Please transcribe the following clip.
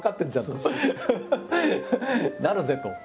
「なるぜ」と。